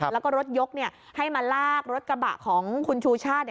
แล้วก็รถยกให้มาลากรถกระบะของคุณชูชาติ